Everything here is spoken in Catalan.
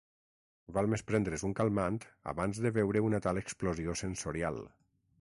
Val més prendre’s un calmant abans de veure una tal explosió sensorial.